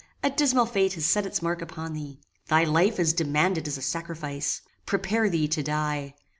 a dismal fate has set its mark upon thee. Thy life is demanded as a sacrifice. Prepare thee to die.